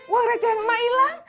uang rajahnya mak ilang